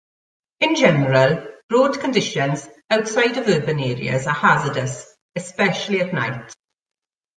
In general, road conditions outside of urban areas are hazardous, especially at night.